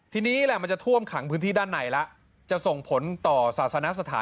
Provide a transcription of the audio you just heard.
ทีนี้แหละมันจะท่วมขังพื้นที่ด้านในแล้วจะส่งผลต่อศาสนสถาน